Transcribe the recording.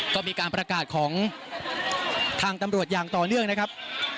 ก็มีการประกาศของทางตำรวจอย่างต่อเนื่องนะครับ